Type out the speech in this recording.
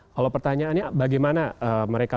kalau pertanyaannya bagaimana mereka